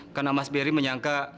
karena mas beri menyangka